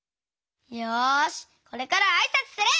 よしこれからはあいさつする！